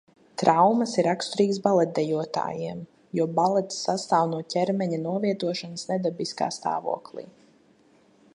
Traumas ir raksturīgas baletdejotājiem, jo balets sastāv no ķermeņa novietošanas nedabiskā stāvoklī.